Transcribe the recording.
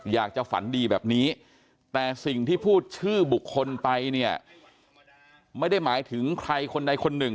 อยากจะฝันดีแบบนี้แต่สิ่งที่พูดชื่อบุคคลไปเนี่ยไม่ได้หมายถึงใครคนใดคนหนึ่ง